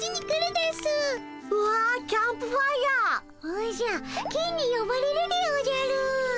おじゃ金によばれるでおじゃる。